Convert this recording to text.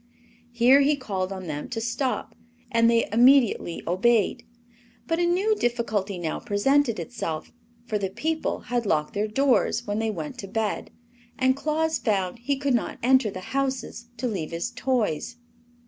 Here he called on them to stop, and they immediately obeyed. But a new difficulty now presented itself, for the people had locked their doors when they went to bed, and Claus found he could not enter the houses to leave his toys.